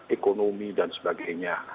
ekonomi dan sebagainya